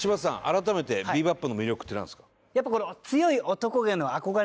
改めて『ビー・バップ』の魅力ってなんですか？